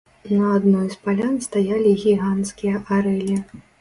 На адной з палян стаялі гіганцкія арэлі.